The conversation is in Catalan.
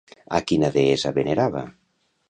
A quina deessa venerava?